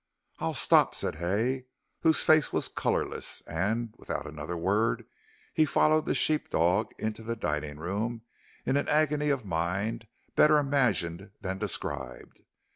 "I'll stop," said Hay, whose face was colorless, and, without another word, he followed the sheep dog into the dining room in an agony of mind better imagined than described.